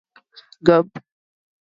Gerb.